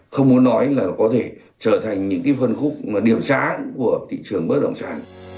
không muốn nói là có thể trở thành những phân khúc điểm sáng của thị trường bất động sản